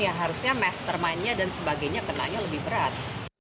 ya harusnya mastermind nya dan sebagainya kenanya lebih berat